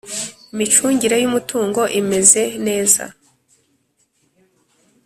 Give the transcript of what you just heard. Imicungire y ‘umutungo imeze neza.